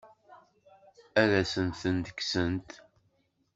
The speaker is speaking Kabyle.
Ad awen-ten-kksent?